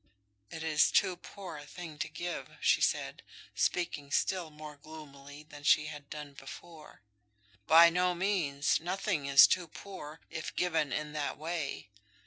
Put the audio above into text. "It is too poor a thing to give," said she, speaking still more gloomily than she had done before. "By no means; nothing is too poor, if given in that way.